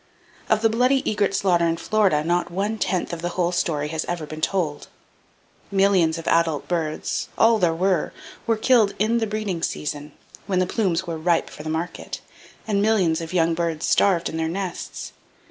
Of the bloody egret slaughter in Florida, not one tenth of the whole story ever has been told. Millions of adult birds,—all there were,—were killed in the breeding season, when the plumes were ripe for the market; and millions of young birds starved in their nests.